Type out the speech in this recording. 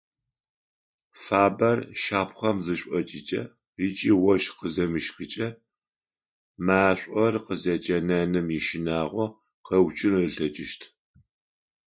Фабэр шапхъэм зышӏокӏыкӏэ ыкӏи ощх къыземыщхыкӏэ машӏор къызэкӏэнэным ищынагъо къэуцун ылъэкӏыщт.